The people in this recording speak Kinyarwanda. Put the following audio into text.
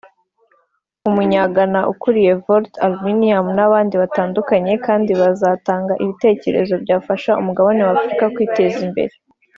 umunyagana ukuriye Volta Aluminium n’abandi batandukanye kandi bazatanga ibitekerezo byafasha umugabane w’Afurika kwiteza imbere